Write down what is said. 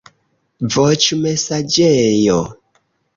voĉmesaĝejo